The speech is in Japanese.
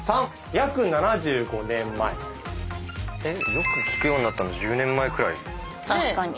よく聞くようになったの１０年前くらいじゃない？